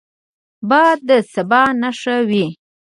باد د سبا نښه وي